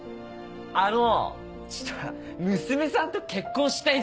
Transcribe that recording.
あのちょっと娘さんと結婚したいんすけど。